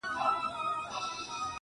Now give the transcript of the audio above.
ملنگ خو دي وڅنگ ته پرېږده.